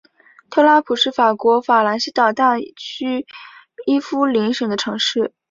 特拉普是法国法兰西岛大区伊夫林省的城市。